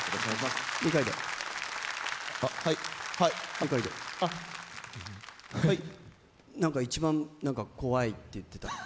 二階堂、一番怖いって言ってた。